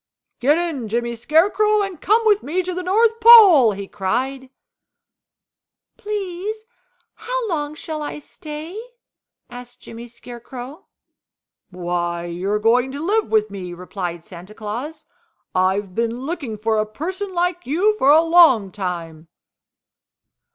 "Get in, Jimmy Scarecrow, and come with me to the North Pole!" he cried. "Please, how long shall I stay?" asked Jimmy Scarecrow. "Why, you are going to live with me," replied Santa Claus. "I've been looking for a person like you for a long time."